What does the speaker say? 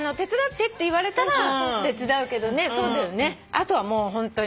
あとはもうホントに。